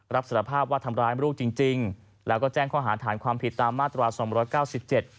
รับสารภาพว่าทำร้ายลูกจริงจริงแล้วก็แจ้งข้อหาฐานความผิดตามมาตราสองร้อยเก้าสิบเจ็ด